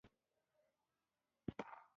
ایا ټول نباتات ګلونه لري؟